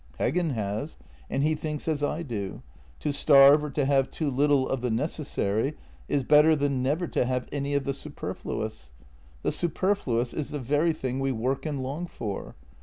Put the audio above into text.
Heggen has, and he thinks as I do — to starve or to have too little of the necessary is better than never to have any of the superfluous. The superfluous is the very thing we work and long for.